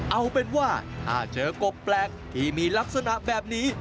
เอาเป็นว่าถ้าเจอกบแปลกที่มีลักษณะแบบนี้